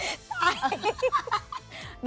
ใช่